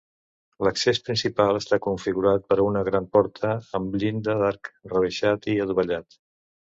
L'accés principal està configurat per una gran porta amb llinda d'arc rebaixat i adovellat.